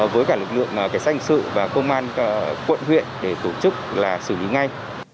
với cả lực lượng cảnh sát hình sự và công an quận huyện để tổ chức là xử lý ngay